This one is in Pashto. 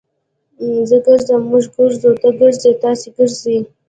زه ګرځم. موږ ګرځو. تۀ ګرځې. تاسي ګرځئ.